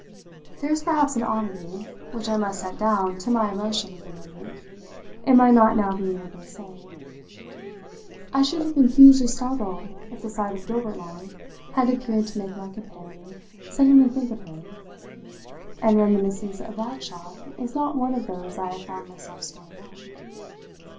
There is perhaps an oddity which I must set down to my emotion of the moment in my not now being able to say. I should have been hugely startled if the sight of Gilbert Long had appeared to make my companion suddenly think of her; and reminiscence of that shock is not one of those I have found myself storing up.